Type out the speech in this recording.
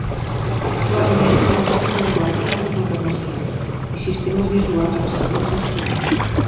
Actualment hi ha molts llenguatges de programació i sistemes visuals excel·lents disponibles.